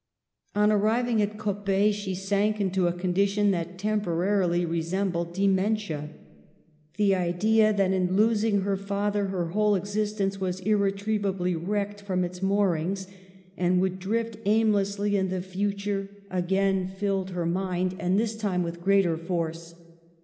On arriving at Coppet, she sank into a condi tion that temporarily resembled dementia. The idea that in losing her father her whole existence was irretrievably wrecked from its moorings, and would drift aimlessly in the future, again filled her Digitized by VjOOQIC WS/7S GERMANY. 1 39 mind, and this time with greater force.